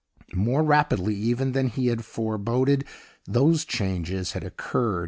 More rapidly even than he had foreboded those changes had occurred.